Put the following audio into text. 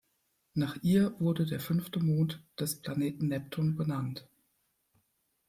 Nach ihr wurde der fünfte Mond des Planeten Neptun benannt.